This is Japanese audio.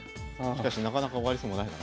しかしなかなか終わりそうもないな。